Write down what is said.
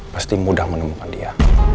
pasti mudah menemukan dia